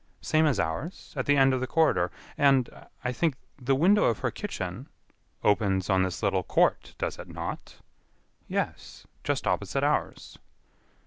"Same as ours.... at the end of the corridor.... and I think.... the window of her kitchen...." "Opens on this little court, does it not?" "Yes, just opposite ours."